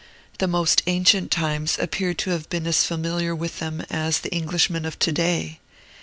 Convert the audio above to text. The most ancient times appear to have been as familiar with them as the Englishmen of to day.